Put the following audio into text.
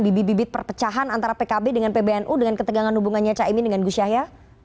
bibit bibit perpecahan antara pkb dengan pbnu dengan ketegangan hubungannya caimin dengan gus yahya